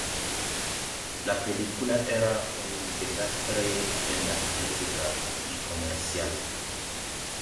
La película era un desastre en la crítica y comercial.